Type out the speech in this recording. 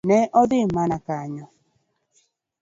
Ne odhi mana konyo.